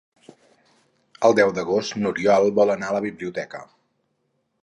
El deu d'agost n'Oriol vol anar a la biblioteca.